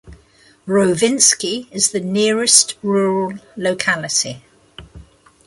Rovinsky is the nearest rural locality.